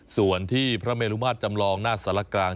ส่วนที่พระเมลุมาตรจำลองหน้าสารกลาง